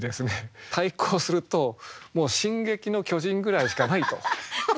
対抗すると「進撃の巨人」ぐらいしかないと。